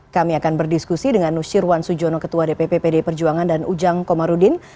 kami akan berdiskusi dengan nusyirwan sujono ketua dpp pdi perjuangan dan ujang komarudin